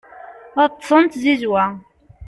ad ṭṭsen d tzizwa